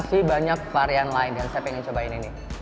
masih banyak varian lain yang saya pengen cobain ini